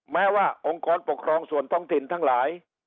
แม้ว่าองค์กรปกครองส่วนท้องถิ่นทั้งหลาย